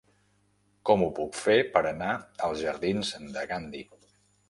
Com ho puc fer per anar als jardins de Gandhi?